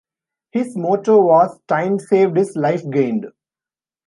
His motto was "time saved is life gained".